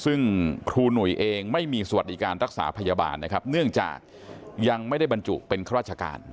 ซึ่งครูหนุ่ยเองไม่มีสวัสดิการรักษาพยาบาลนะครับเนื่องจากยังไม่ได้บรรจุเป็นข้าราชการ